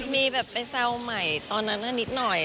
มีแบบไปแซวใหม่ตอนนั้นนิดหน่อย